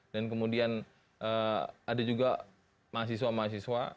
dan kemudian ada juga mahasiswa mahasiswa